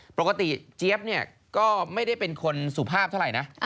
เจี๊ยบเนี่ยก็ไม่ได้เป็นคนสุภาพเท่าไหร่นะ